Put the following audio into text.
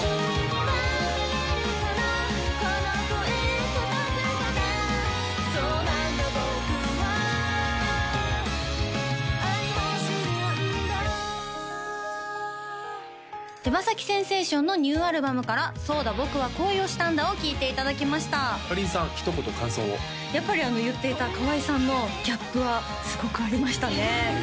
僕は愛を知るんだ手羽先センセーションのニューアルバムから「そうだ、僕は恋をしたんだ。」を聴いていただきましたかりんさんひと言感想をやっぱり言っていたカワイさんのギャップはすごくありましたね